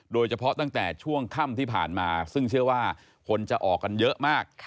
โดยเฉพาะตั้งแต่ช่วงค่ำที่ผ่านมาซึ่งเชื่อว่าคนจะออกกันเยอะมาก